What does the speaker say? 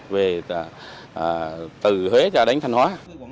về từ huế cho đến thanh hóa